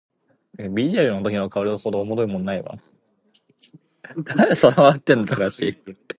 A dopamine agonist can often help relieve symptoms.